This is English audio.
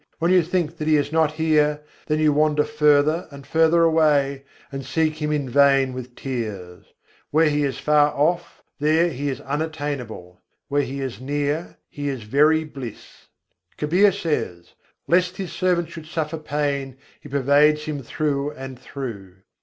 When you think that He is not here, then you wander further and further away, and seek Him in vain with tears. Where He is far off, there He is unattainable: where He is near, He is very bliss. Kabîr says: "Lest His servant should suffer pain He pervades him through and through."